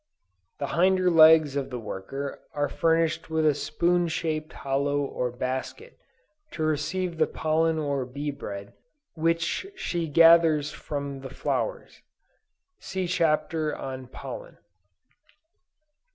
The hinder legs of the worker are furnished with a spoon shaped hollow or basket, to receive the pollen or bee bread which she gathers from the flowers. (See Chapter on Pollen.)